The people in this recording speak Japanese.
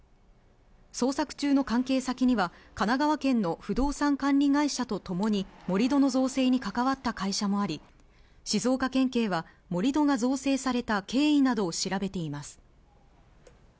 捜索中の関係先には神奈川県の不動産管理会社とともに盛り土の造成に関わった会社もあり、静岡県警は盛り土が造成された経緯などを調べています。